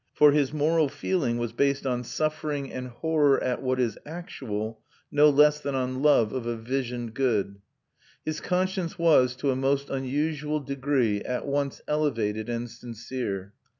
For his moral feeling was based on suffering and horror at what is actual, no less than on love of a visioned good. His conscience was, to a most unusual degree, at once elevated and sincere.